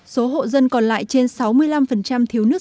số hộ dân còn lại trên sáu mươi năm thiếu nước